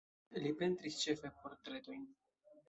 Li pentris ĉefe portretojn.